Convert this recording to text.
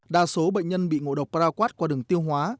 đa số bệnh nhân bị ngộ độc paraquad qua đường tiêu hóa